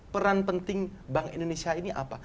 peran penting bank indonesia ini apa